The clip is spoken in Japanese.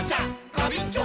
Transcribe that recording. ガビンチョ！